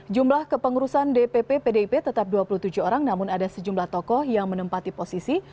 jumlah kepengurusan dpp pdip tetap dua puluh tujuh orang namun ada sejumlah tokoh yang menempati posisi